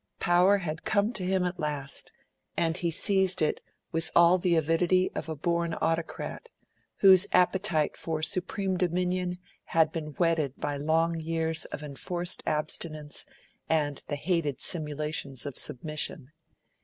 Power had come to him at last; and he seized it with all the avidity of a born autocrat, whose appetite for supreme dominion had been whetted by long years of enforced abstinence and the hated simulations of submission.